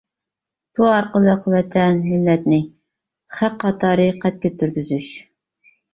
بۇ ئارقىلىق ۋەتەن، مىللەتنى، خەق قاتارى قەد كۆتۈرگۈزۈش.